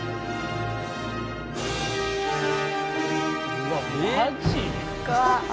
うわマジ？